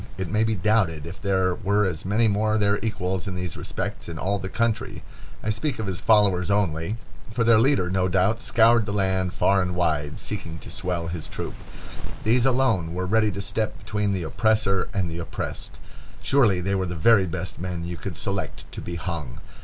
It may be doubted if there were as many more their equals in these respects in all the country—I speak of his followers only—for their leader, no doubt, scoured the land far and wide, seeking to swell his troop. These alone were ready to step between the oppressor and the oppressed. Surely they were the very best men you could select to be hung.